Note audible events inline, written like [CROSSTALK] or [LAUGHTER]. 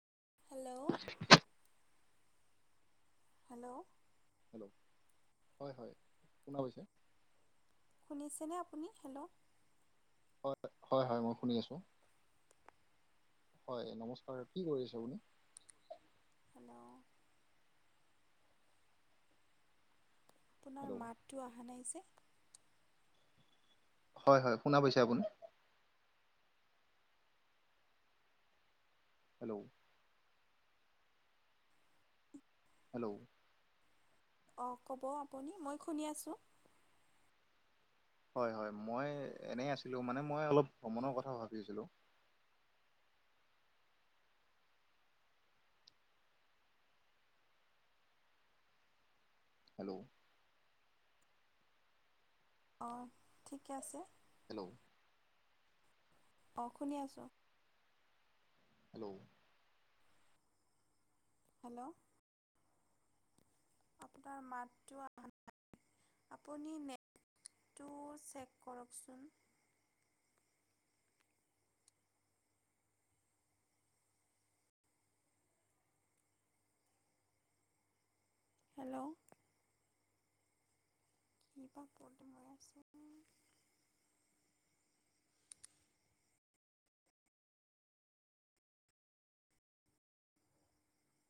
Hello hello [UNINTELLIGIBLE] শুনিছেনে আপুনি hello হয় হয় হয় হয় মই শুনি আছো হয় নমস্কাৰ কি কৰি আছে আপুনি [UNINTELLIGIBLE] আপোনাৰ হেল্ল' মাতটো অহা নাই যে হয় হয় শুনা পাইছে আপুনি [UNINTELLIGIBLE] হেল্ল' অ ক'ব আপুনি মই শুনি আছোঁ হয় হয় মই এনেই আছিলো মানে মই অলপ ভ্ৰমণৰ কথা ভাবি‌ আছিলো হেল্ল' অঁ ঠিকে আছে হেল্ল' অঁ শুনি আছোঁ হেল্ল' হেল্ল' আপোনাৰ মাতটো আহা নাই আপুনি নেটটো চেক কৰকচোন হেল্ল'। ই পা পল্টু মই আছে।